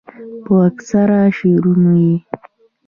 پۀ اکثره شعرونو ئې